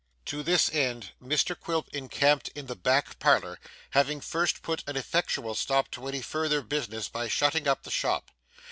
To this end, Mr Quilp encamped in the back parlour, having first put an effectual stop to any further business by shutting up the shop.